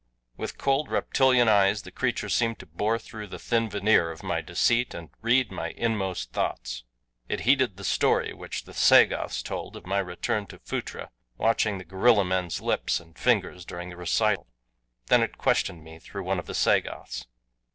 With cold, reptilian eyes the creature seemed to bore through the thin veneer of my deceit and read my inmost thoughts. It heeded the story which the Sagoths told of my return to Phutra, watching the gorilla men's lips and fingers during the recital. Then it questioned me through one of the Sagoths.